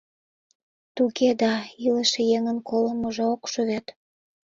Туге да, илыше еҥын колымыжо ок шу вет.